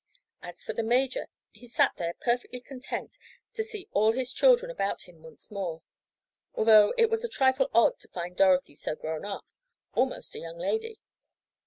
As for the major, he sat there perfectly content to see all his children about him once more, although it was a trifle odd to find Dorothy so grown up—almost a young lady.